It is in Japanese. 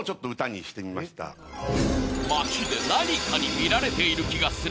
街で何かに見られている気がする。